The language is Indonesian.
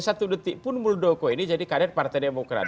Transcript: satu detik pun muldoko ini jadi karir partai demokrat